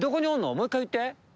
もう１回言って。